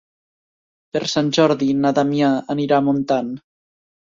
Per Sant Jordi na Damià anirà a Montant.